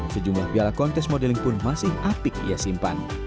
sejumlah piala kontes modeling pun masih apik ia simpan